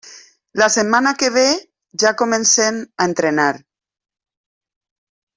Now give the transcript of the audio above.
La setmana que ve ja comencen a entrenar.